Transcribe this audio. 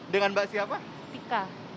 dengan mbak siapa